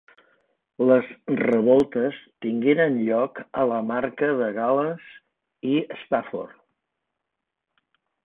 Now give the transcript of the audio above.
Les revoltes tingueren lloc a la Marca de Gal·les i Stafford.